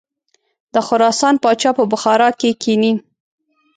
د خراسان پاچا په بخارا کې کښیني.